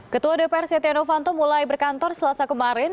ketua dpr setia novanto mulai berkantor selasa kemarin